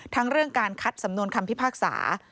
ทั้งเรื่องการคัดสำนวนคำพิพากษา